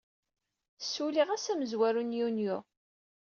Ssulliɣ ass amezwaru n Yunyu.